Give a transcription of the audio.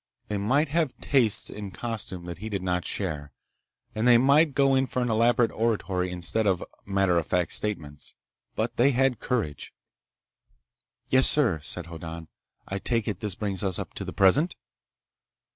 They might have tastes in costume that he did not share, and they might go in for elaborate oratory instead of matter of fact statements, but they had courage. "Yes, sir," said Hoddan. "I take it this brings us up to the present."